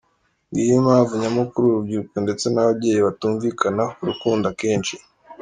Ngiyi impamvu nyamukuru urubyiruko ndetse n’ababyeyi batumvikana ku rukundo akenshi.